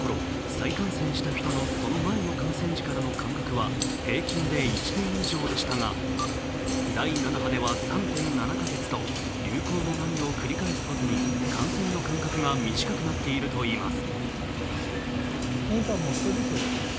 再感染した人のその前の感染時からの間隔は平均で１年以上でしたが第７波では３．７か月と流行の波を繰り返すごとに感染の間隔が短くなっているといいます。